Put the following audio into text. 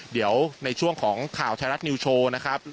เดี๋ยวในช่วงของข่าวไทยรัฐนิวโชว์นะครับ